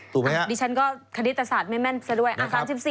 ถูกไหมครับดิฉันก็คณิตศาสตร์ไม่แม่นซะด้วยอ่ะ๓๔ค่ะ